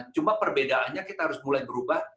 cuma perbedaannya kita harus mulai berubah